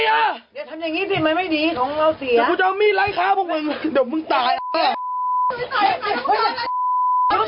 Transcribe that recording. อย่าทำอย่างงี้สิมันไม่ดีของเราเสีย